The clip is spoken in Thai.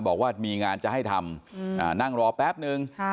บอกว่ามีงานจะให้ทำนั่งรอแป๊บนึง